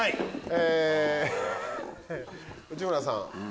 内村さん。